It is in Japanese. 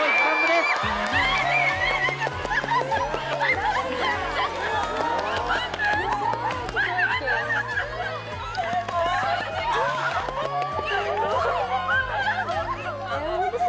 ・・すごいね！